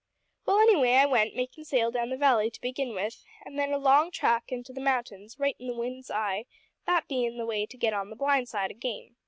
"Well, away I went makin' sail down the valley to begin with, an' then a long tack into the mountains right in the wind's eye, that bein' the way to get on the blind side o' game.